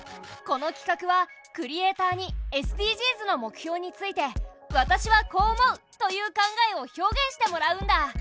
この企画はクリエーターにＳＤＧｓの目標について「私はこう思う！」という考えを表現してもらうんだ。